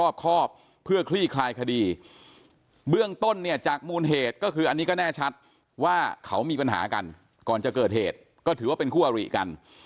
เบื้องต้นเนี่ยจากมูลเหตุก็คืออันนี้ก็แน่ชัดว่าเขามีปัญหากันก่อนจะเกิดเหตุก็ถือว่าเป็นคู่อาริกัน